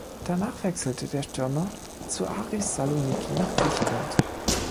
Danach wechselte der Stürmer zu Aris Saloniki nach Griechenland.